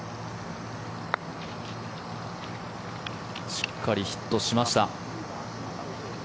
しっかりヒットしました。